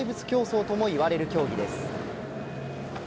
競走ともいわれる競技です。